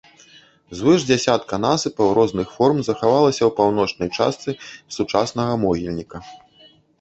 Звыш дзясятка насыпаў розных форм захавалася ў паўночнай частцы сучаснага могільніка.